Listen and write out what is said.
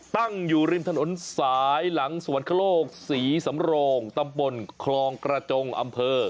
ตั้งอยู่ริมถนนสายหลังสวรรคโลกศรีสำโรงตำบลคลองกระจงอำเภอ